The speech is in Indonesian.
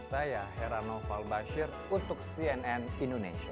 saya herano falbashir untuk cnn indonesia